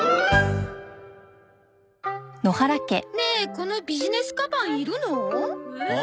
このビジネスカバンいるの？